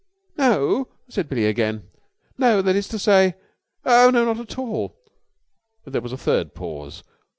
"No," said Billie again. "No ... that is to say ... oh no, not at all." There was a third pause.